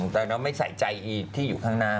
แต่น้องไม่ใส่ใจที่อยู่ข้างหน้า